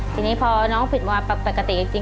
ทีนี้พอน้องผิดมาปกติจริง